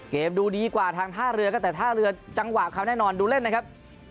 ดูดีกว่าทางท่าเรือก็แต่ท่าเรือจังหวะเขาแน่นอนดูเล่นนะครับ